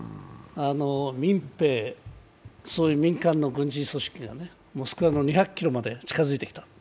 民兵、民間の軍事組織がモスクワの２００ｋｍまで近付いてきた